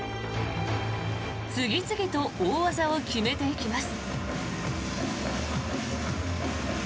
次々と大技を決めていきます。